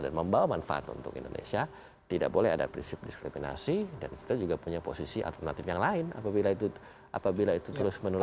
dan membawa manfaat untuk indonesia tidak boleh ada prinsip diskriminasi dan kita juga punya posisi alternatif yang lain apabila itu terus menulis